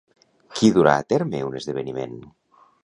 Qui durà a terme un esdeveniment?